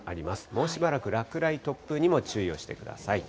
もうしばらく、落雷、突風にも注意をしてください。